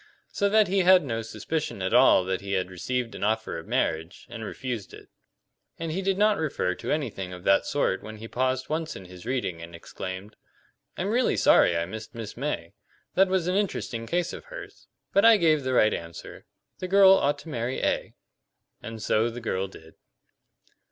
So that he had no suspicion at all that he had received an offer of marriage and refused it. And he did not refer to anything of that sort when he paused once in his reading and exclaimed: "I'm really sorry I missed Miss May. That was an interesting case of hers. But I gave the right answer; the girl ought to marry A." And so the girl did.